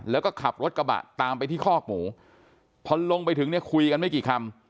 แล้วก็ขับรถกระบะตามไปที่คอกหมูพอลงไปถึงเนี่ยคุยกันไม่กี่คำ